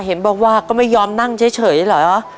เห็นบอกว่าก็ไม่ยอมนั่งเฉยเหรอ